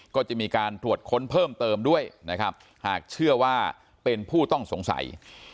ก็จะมีการตรวจค้นเพิ่มเติมด้วยนะครับหากเชื่อว่าเป็นผู้ต้องสงสัย